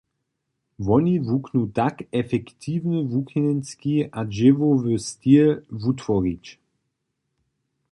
Woni wuknu tak efektiwny wuknjenski a dźěłowy stil wutworić.